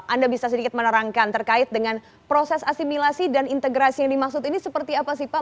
anda bisa sedikit menerangkan terkait dengan proses asimilasi dan integrasi yang dimaksud ini seperti apa sih pak